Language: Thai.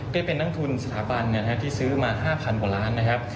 ก็จะเป็นนังทุนสถาบันเนี่ยที่ซื้อมา๕๐๐๐กว่าล้านนะครับ